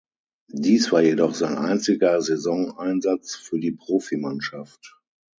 Dies war jedoch sein einziger Saisoneinsatz für die Profimannschaft.